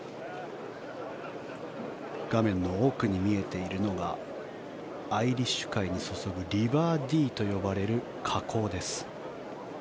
画面の奥に見えているのがアイリッシュ海に注ぐリバー・ディーと呼ばれる河口です。